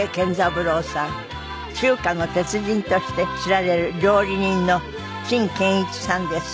中華の鉄人として知られる料理人の陳建一さんです。